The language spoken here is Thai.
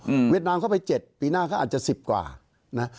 เวียดนามเข้าไปเจ็ดปีหน้าเขาอาจจะสิบกว่านะฮะ